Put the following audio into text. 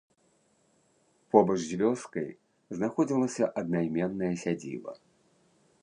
Побач з вёскай знаходзілася аднайменная сядзіба.